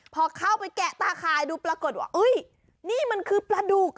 พอเข้าไปแกะตาคายดูปรากฏว่านี่มันคือปลาดุก